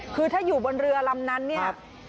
คือถ้าอยู่บนเรือลำนั้นเนี่ย